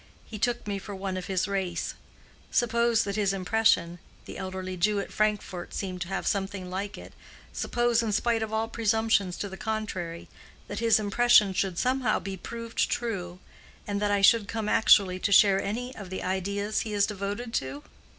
He took me for one of his race. Suppose that his impression—the elderly Jew at Frankfort seemed to have something like it—suppose in spite of all presumptions to the contrary, that his impression should somehow be proved true, and that I should come actually to share any of the ideas he is devoted to?